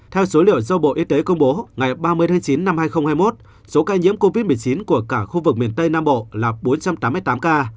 theo số liệu do bộ y tế công bố ngày ba mươi tháng chín năm hai nghìn hai mươi một số ca nhiễm covid một mươi chín của cả khu vực miền tây nam bộ là bốn trăm tám mươi tám ca